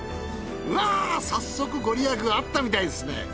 うわぁ早速ご利益あったみたいですね。